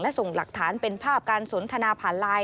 และส่งหลักฐานเป็นภาพการสนทนาผ่านไลน์